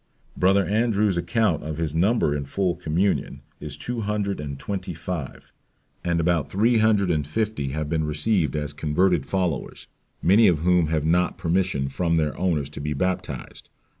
"Brother Andrew's account of his number in full communion is TWO HUNDRED AND TWENTY FIVE, and about THREE HUNDRED AND FIFTY have been received as converted followers, many of whom have not permission" from their owners "to be baptized.